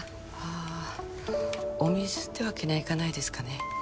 ああお水ってわけにはいかないですかね